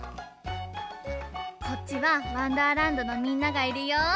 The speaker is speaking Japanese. こっちはわんだーらんどのみんながいるよ。